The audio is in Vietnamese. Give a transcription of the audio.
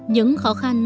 những khó khăn